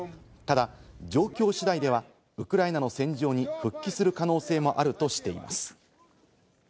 状況次第ではウクライナの戦場に復帰する可能性もあるとしています。